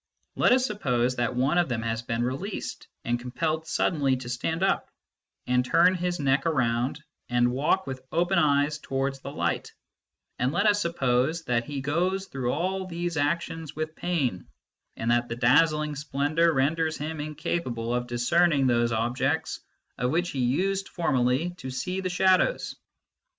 Let us suppose that one of them has been released, and compelled suddenly to stand up, and turn his neck round and walk with open eyes towards the light ; and let us suppose that he goes through all these actions with pain, and that the dazzling splendour renders him incapable of discerning those objects of which he used formerly to see the shadows.